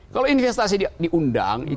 kalau investasi diundang